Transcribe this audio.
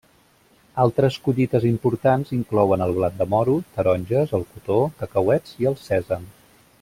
Altres collites importants inclouen el blat de moro, taronges, el cotó, cacauets i el sèsam.